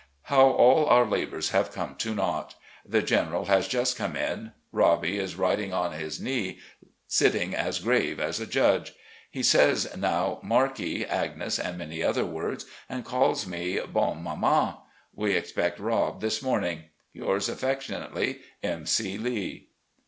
How all our labours have come to naught. The General has just come in. Robbie is riding on his knee, sitting as grave as a judge. He says now 'Markie,' 'Agnes,' and many other words, and calls me 'Bonne Mama.' We expect Rob this morning. ... "Yours affectionately, "M. C. Lee."